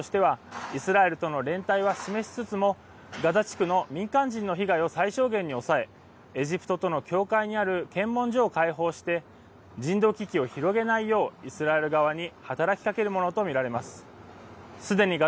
一方、バイデン大統領としてはイスラエルとの連帯は示しつつも、ガザ地区の民間人の被害を最小限に抑えエジプトとの境界にある検問所を開放して人道危機を広げないようイスラエル側に働きかけるものと見られます。